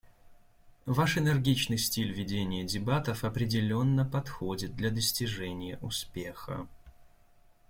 Ваш энергичный стиль ведения дебатов определенно подходит для достижения успеха.